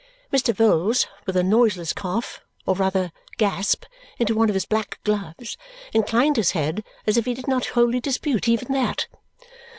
Mr. Vholes, with a noiseless cough or rather gasp into one of his black gloves, inclined his head as if he did not wholly dispute even that.